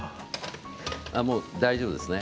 もう大丈夫ですね。